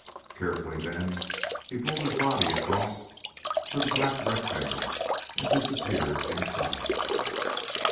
Carefully, then, he pulled his body across to the black rectangle and disappeared inside.